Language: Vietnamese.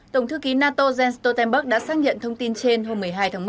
tổng thư ký nato jens stoltenberg đã xác nhận thông tin trên hôm một mươi hai tháng một